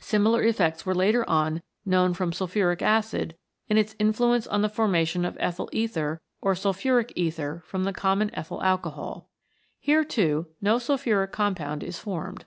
Similar effects were later on known from sulphuric acid in its influence on the formation of ethyl ether or sulphuric ether from the common ethyl alcohol. Here, too, no sulphuric compound is formed.